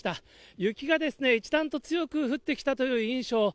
雪が一段と強く降ってきたという印象。